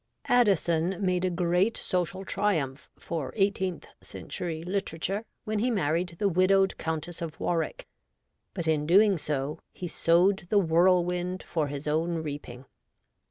Addison made a great social triumph for eighteenth century literature when he married the widowed Countess of Warwick, but in doing so he sowed the whirlwind for his own reaping.